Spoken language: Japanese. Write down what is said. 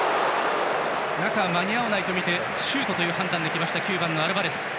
中、間に合わないと見てシュートを判断した９番のアルバレス。